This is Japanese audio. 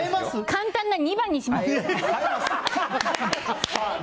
簡単な２番にします。